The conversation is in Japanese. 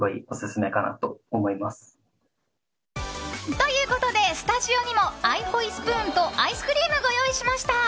ということで、スタジオにもアイホイスプーンとアイスクリームご用意しました！